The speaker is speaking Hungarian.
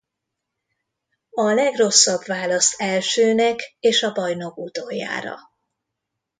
A legrosszabb választ elsőnek és a bajnok utoljára.